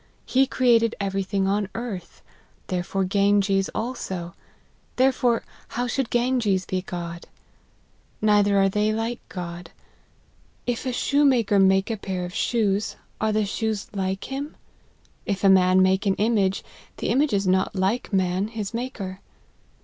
He created every thing on earth ; therefore Ganges also : there fore how should Ganges be God ? Neither are they like God. If a shoemaker make a pair of shoes, are the shoes like him ? If a man make an image, the image is not like man, his maker.